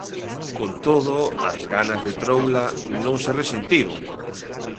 Con todo, as ganas de troula non se resentiron.